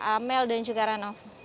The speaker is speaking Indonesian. amel dan juga rano